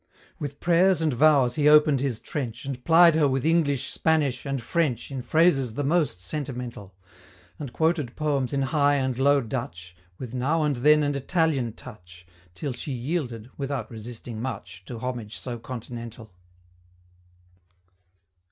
With pray'rs and vows he open'd his trench, And plied her with English, Spanish, and French In phrases the most sentimental: And quoted poems in High and Low Dutch, With now and then an Italian touch, Till she yielded, without resisting much, To homage so continental.